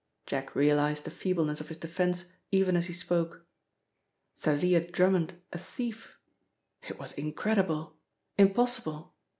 Jack realised the feebleness of his defence even as he spoke. Thalia Drummond a thief! It was incredible, impossible!